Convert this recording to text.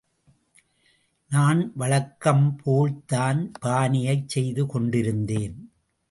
நான் வழக்கம்போல்தான் பானையைச் செய்து கொண்டிருந்தேன்.